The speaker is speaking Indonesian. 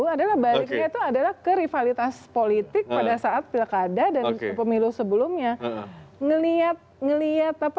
karena baliknya itu adalah ke rivalitas politik pada saat pilkada dan pemilu sebelumnya